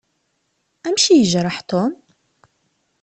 Amek i yejreḥ Tom?